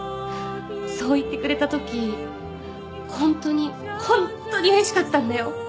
そう言ってくれたときホントにホンットにうれしかったんだよ。